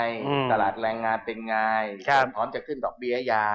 ตลาดแรงงานเป็นไง